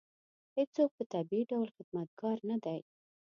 هېڅوک په طبیعي ډول خدمتګار نه دی.